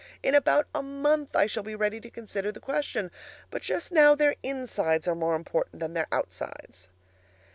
In about a month I shall be ready to consider the question, but just now their insides are more important than their outsides.